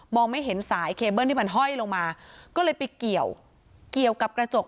ไม่เห็นสายเคเบิ้ลที่มันห้อยลงมาก็เลยไปเกี่ยวเกี่ยวกับกระจก